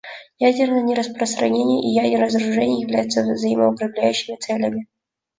Ядерное нераспространение и ядерное разоружение являются взаимоукрепляющими целями.